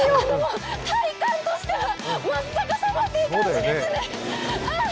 体感としたは真っ逆さまという感じですね。